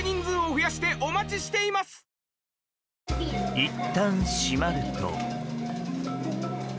いったん閉まると。